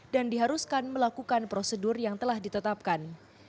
dan diharuskan melakukan prosedur yang telah ditetapkan